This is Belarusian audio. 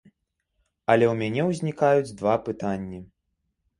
Але ў мяне узнікаюць два пытанні.